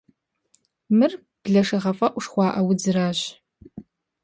Мыр блэшэгъэфӏэӏу жыхуаӏэ удзращ.